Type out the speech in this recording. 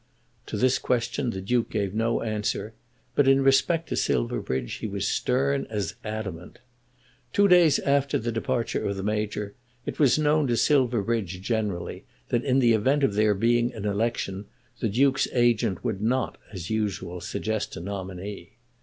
To this question the Duke gave no answer, but in respect to Silverbridge he was stern as adamant. Two days after the departure of the Major it was known to Silverbridge generally that in the event of there being an election the Duke's agent would not as usual suggest a nominee.